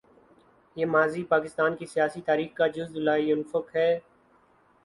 یہ ماضی پاکستان کی سیاسی تاریخ کا جزو لا ینفک ہے۔